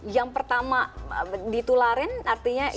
yang pertama ditularin artinya itu juga masih di question mark kan